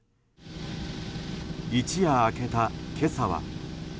一夜明けた今朝は。